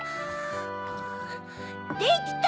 できた！